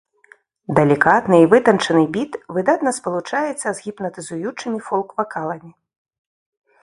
Далікатны і вытанчаны біт выдатна спалучаецца з гіпнатызуючымі фолк-вакаламі.